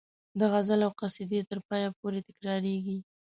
د غزل او قصیدې تر پایه پورې تکراریږي.